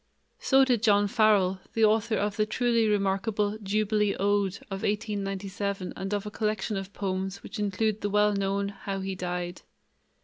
So did John Farrell, the author of the truly remarkable "Jubilee Ode" of 1897 and of a collection of poems which include the well known "How He Died."